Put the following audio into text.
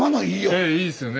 ええいいですよね。